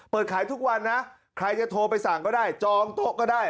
เปิดขายทุกวันนะใครจะโทรไปสั่งก็ได้จองโต๊ะก็ได้